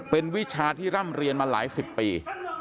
เป็นวิชาที่ร่ำเรียนมาหลายสิบปี